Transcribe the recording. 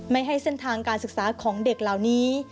ให้เส้นทางการศึกษาของเด็กเหล่านี้